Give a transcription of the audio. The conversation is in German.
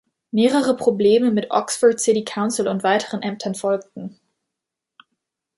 Mehrere Probleme mit Oxford City Council und weiteren Ämtern folgten.